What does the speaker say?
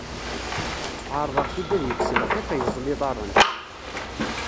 Ɛerḍeɣ-t-id ad yekkes lxiq, yeẓẓel iḍarren.